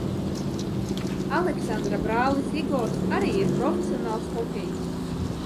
Aleksandra brālis Igors arī ir profesionāls hokejists.